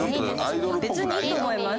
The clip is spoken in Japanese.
別にいいと思います。